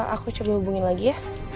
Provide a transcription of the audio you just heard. aku coba hubungin lagi ya